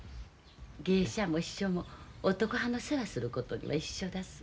芸者も秘書も男はんの世話することには一緒だす。